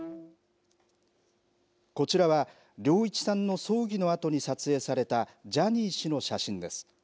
こちらは良一さんの葬儀のあとに撮影されたジャニー氏の写真です。